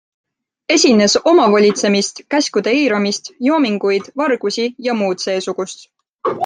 Esines omavolitsemist, käskude eiramist, joominguid, vargusi ja muud seesugust.